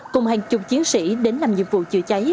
cùng hàng chục chiến sĩ đến làm nhiệm vụ chữa cháy